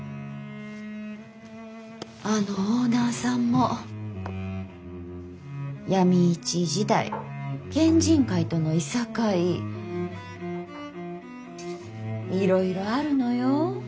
あのオーナーさんも闇市時代県人会とのいさかいいろいろあるのよ。